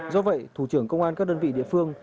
do vậy thủ trưởng công an các đơn vị địa phương